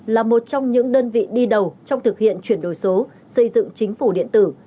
là một trong những đơn vị đi đầu trong thực hiện chuyển đổi số xây dựng chính phủ điện tử